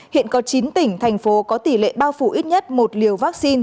hiện có chín tỉnh thành phố có tỷ lệ bao phủ ít nhất một liều vaccine